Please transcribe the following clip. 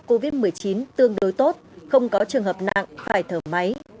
các bác sĩ mắc covid một mươi chín tương đối tốt không có trường hợp nặng phải thở máy